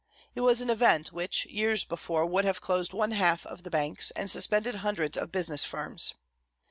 It was an event, which, years before, would have closed one half of the banks, and suspended hundreds of business firms.